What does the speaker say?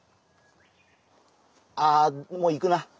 ああもういくな。